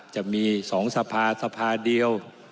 จะมี๒สภาสภาเดียว